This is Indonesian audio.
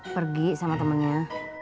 pergi sama temennya